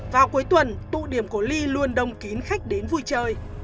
vào cuối tuần tụ điểm của ly luôn đông kín khách đến vui chơi